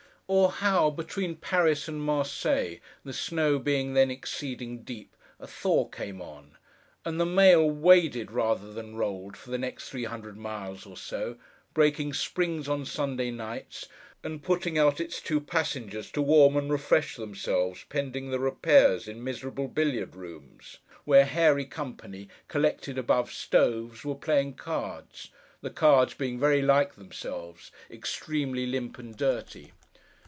Or how, between Paris and Marseilles, the snow being then exceeding deep, a thaw came on, and the mail waded rather than rolled for the next three hundred miles or so; breaking springs on Sunday nights, and putting out its two passengers to warm and refresh themselves pending the repairs, in miserable billiard rooms, where hairy company, collected about stoves, were playing cards; the cards being very like themselves—extremely limp and dirty.